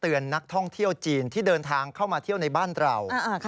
นักท่องเที่ยวจีนที่เดินทางเข้ามาเที่ยวในบ้านเรา